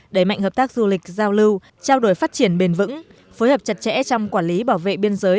đẩy mạnh hợp tác du lịch giao lưu trao đổi phát triển bền vững phối hợp chặt chẽ trong quản lý bảo vệ biên giới